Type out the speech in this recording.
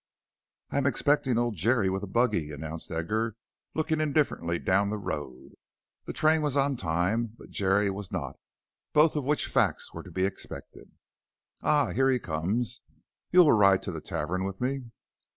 "I am expecting old Jerry, with a buggy," announced Edgar, looking indifferently down the road. The train was on time but Jerry was not, both of which facts were to be expected. "Ah, here he comes. You will ride to the tavern with me?"